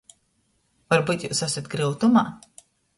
Varbyut jius asat gryutumā?